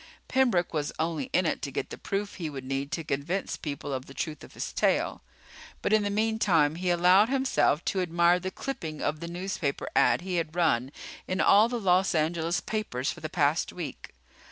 Pembroke was only in it to get the proof he would need to convince people of the truth of his tale. But in the meantime he allowed himself to admire the clipping of the newspaper ad he had run in all the Los Angeles papers for the past week.